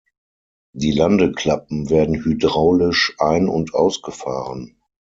Die Landeklappen werden hydraulisch ein- und ausgefahren.